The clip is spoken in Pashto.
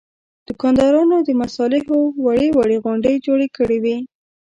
دوکاندارانو د مصالحو وړې وړې غونډۍ جوړې کړې وې.